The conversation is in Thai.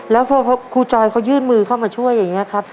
แล้วพอครูจอยเขายื่นมือเข้ามาช่วยอย่างนี้ครับ